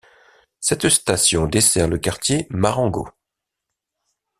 Cette station dessert le quartier Marengo.